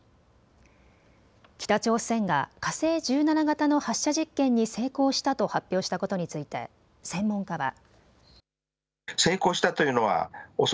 北朝鮮が火星１７型の発射実験に成功したと発表したことについて専門家は。